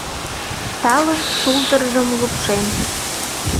Талын шулдыржым лупшен.